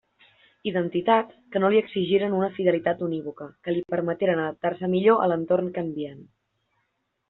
Identitats que no li exigiren una fidelitat unívoca, que li permeteren adaptar-se millor a l'entorn canviant.